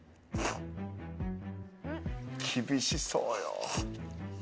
厳しそうよ。